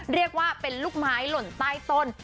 เรียกว่าเป็นลูกไม้หล่นใต้ต้น